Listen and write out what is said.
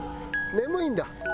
眠いんだ？